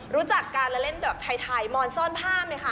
รู้จักการเล่นแบบไทยมอนซ่อนภาพไหมคะ